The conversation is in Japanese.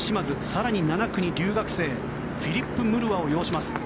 更に７区に留学生のフィリップ・ムルワを擁します。